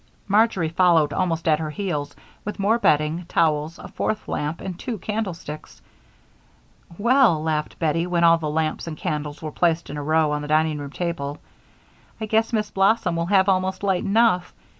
Marjory followed almost at her heels with more bedding, towels, a fourth lamp, and two candlesticks. "Well," laughed Bettie, when all the lamps and candles were placed in a row on the dining room table, "I guess Miss Blossom will have almost light enough.